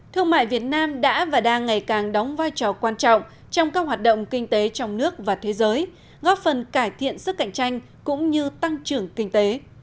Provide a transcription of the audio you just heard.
thương mại việt nam đã và đang ngày càng đóng vai trò quan trọng trong các hoạt động kinh tế trong nước và thế giới góp phần cải thiện sức cạnh tranh cũng như tăng trưởng kinh tế